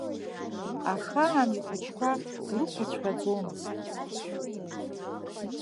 Ахаан ихәыҷқәа дрықәыцәҟьаӡомызт.